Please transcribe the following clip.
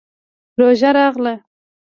روژه راغله.